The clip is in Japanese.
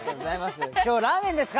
今日、ラーメンですか？